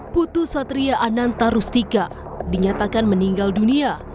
putu satria anantarustika dinyatakan meninggal dunia